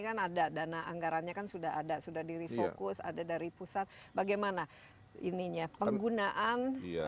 kan ada dana anggarannya kan sudah ada sudah di refocus ada dari pusat bagaimana ininya penggunaan